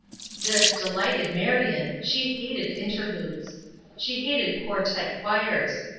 This, delighted Marion, she hated interludes. She hated quartette choirs.